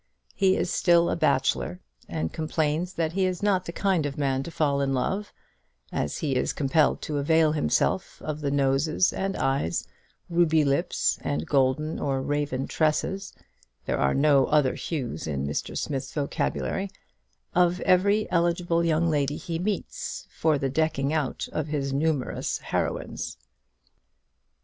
He is still a bachelor, and complains that he is not the kind of man to fall in love, as he is compelled to avail himself of the noses and eyes, ruby lips, and golden or raven tresses there are no other hues in Mr. Smith's vocabulary of every eligible young lady he meets, for the decking out of his numerous heroines.